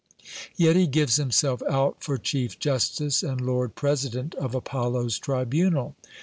Yet he gives himself out for chief justice and lord president of Apollo's tribunal.